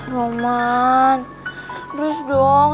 roman terus dong